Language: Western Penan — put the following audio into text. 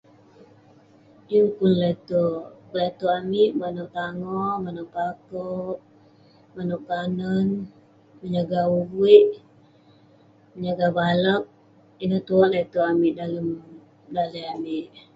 Yeng pun le'terk, te'terk amik manouk tangoh, manouk pakewk, manouk kanen..menyagah uviek..menyagah balak, ineh tuwerk le'terk amik dalem daleh amik.